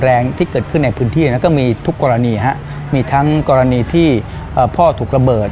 อาจจะขึ้นในพื้นที่